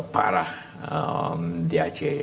parah di aceh